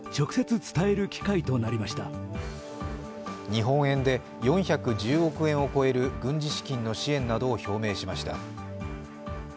日本円で４１０億円を超える軍事資金の支援などを表明しました。